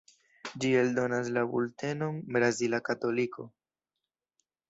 Ĝi eldonas la bultenon "Brazila Katoliko".